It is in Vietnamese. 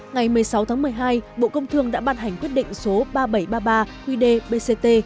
ngày một mươi sáu tháng một mươi hai bộ công thương đã ban hành quyết định số ba nghìn bảy trăm ba mươi ba qdbct